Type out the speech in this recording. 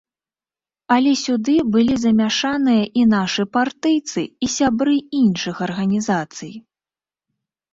Але сюды былі замяшаныя і нашы партыйцы, і сябры іншых арганізацый.